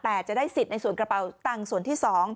แต่จะได้สิทธิ์ในส่วนกระเป๋าตังค์ส่วนที่๒